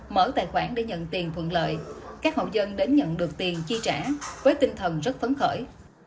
mở tài khoản để nhận tiền thuận lợi các hộ dân đến nhận được tiền chi trả với tinh thần rất phấn khởi